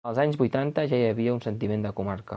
Als anys vuitanta ja hi havia un sentiment de comarca.